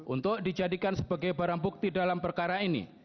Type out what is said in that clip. untuk dijadikan sebagai barang bukti dalam perkara ini